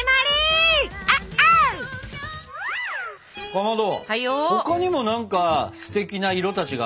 かまど他にも何かすてきな色たちがありますね。